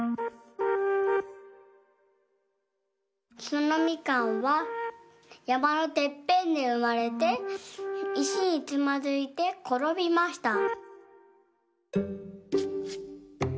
そのみかんはやまのてっぺんでうまれていしにつまずいてころびました。